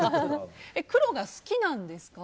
黒が好きなんですか？